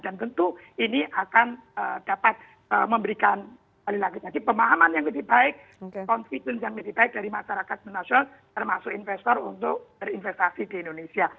dan tentu ini akan dapat memberikan pemahaman yang lebih baik confidence yang lebih baik dari masyarakat internasional termasuk investor untuk berinvestasi di indonesia